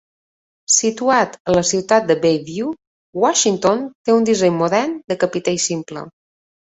Situat a la ciutat de Bellevue, Washington, té un disseny modern de capitell simple.